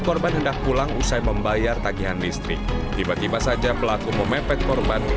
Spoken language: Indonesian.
korban hendak pulang usai membayar tagihan listrik tiba tiba saja pelaku memepet korban